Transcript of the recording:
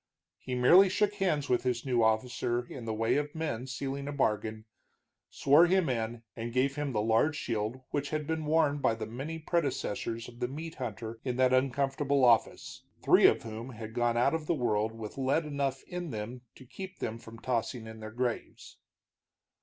He merely shook hands with his new officer in the way of men sealing a bargain, swore him in, and gave him the large shield which had been worn by the many predecessors of the meat hunter in that uncomfortable office, three of whom had gone out of the world with lead enough in them to keep them from tossing in their graves.